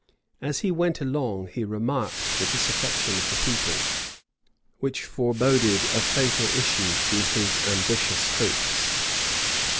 [*] As he went along, he remarked the disaffection of the people, which foreboded a fatal issue to his ambitious hopes.